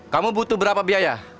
kamu butuh berapa biaya